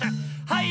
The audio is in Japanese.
はい！